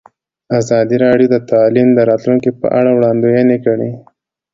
ازادي راډیو د تعلیم د راتلونکې په اړه وړاندوینې کړې.